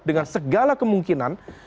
dengan segala kemungkinan